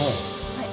はい。